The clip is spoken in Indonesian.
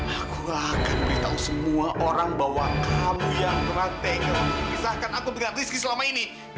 aku akan beritahu semua orang bahwa kamu yang praktengel pisahkan aku dengan rizky selama ini